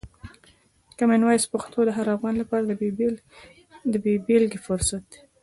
کامن وایس پښتو د هر افغان لپاره د بې بېلګې فرصت دی.